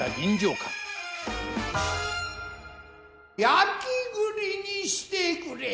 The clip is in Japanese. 焼栗にしてくれい。